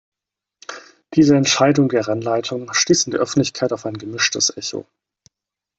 Diese Entscheidung der Rennleitung stieß in der Öffentlichkeit auf ein gemischtes Echo.